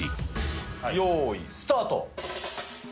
よーいスタート。